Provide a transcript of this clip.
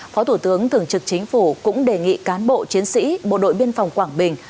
phó thủ tướng thường trực chính phủ cũng đề nghị cán bộ chiến sĩ bộ đội biên phòng quảng bình